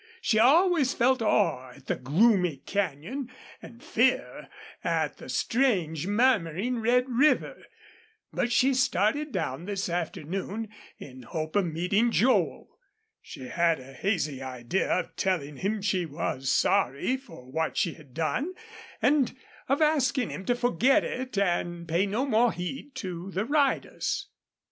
She always felt awe at the gloomy canyon and fear at the strange, murmuring red river. But she started down this afternoon in the hope of meeting Joel. She had a hazy idea of telling him she was sorry for what she had done, and of asking him to forget it and pay no more heed to the riders.